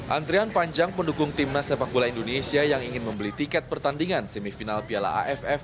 antrian panjang pendukung timnas sepak bola indonesia yang ingin membeli tiket pertandingan semifinal piala aff